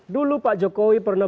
dulu pak jokowi pernah